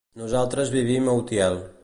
Nosaltres vivim a Utiel.